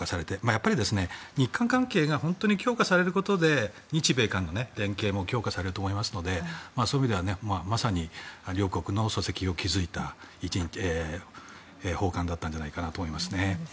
やっぱり日韓関係が本当に強化されることで日米韓の連携も強化されると思いますのでそういう意味ではまさに両国の礎石を築いた訪韓だったんじゃないかなと思います。